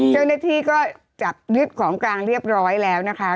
เจ้าหน้าที่ก็จับยึดของกลางเรียบร้อยแล้วนะคะ